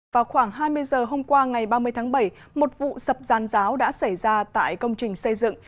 vào khoảng hai mươi giờ hôm qua ngày ba mươi tháng bảy một vụ sập giàn giáo đã xảy ra tại công trình xây dựng